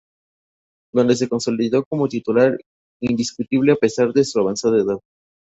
Donde se consolidó como titular indiscutible a pesar de su avanzada edad.